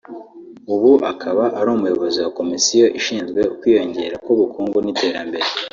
ubu akaba ari Umuyobozi wa Komisiyo Ishinzwe Ukwiyongera k’Ubukungu n’Iterambere